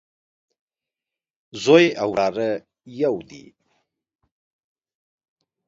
زوی او وراره يودي